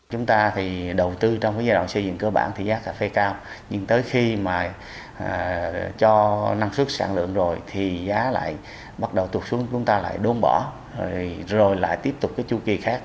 chúng ta đầu tư trong giai đoạn xây dựng cơ bản thì giá cà phê cao nhưng tới khi cho năng suất sản lượng rồi thì giá lại bắt đầu tụt xuống chúng ta lại đôn bỏ rồi lại tiếp tục chu kỳ khác